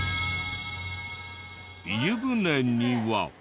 湯船には。